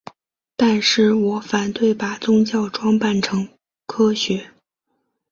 但是我反对把宗教装扮成科学。